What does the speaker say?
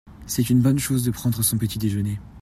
c'est une bonne chose de prendre son petit-déjeuner.